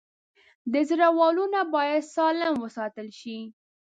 د زړه والونه باید سالم وساتل شي.